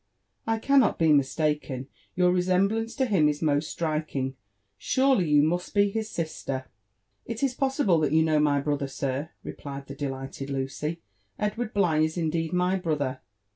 I cannot be mistaken, your resem blance to him is most striking,— surely, you must be his sister f '* Is it possible that you know my brother, sir ?" replied the delighted Liicy. "Edward Bligh is indeed my brother.